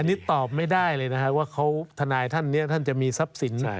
อันนี้ตอบไม่ได้เลยนะครับว่าทนายท่านนี้ท่านจะมีทรัพย์สินไหน